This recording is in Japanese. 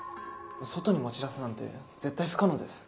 外に持ち出すなんて絶対不可能です。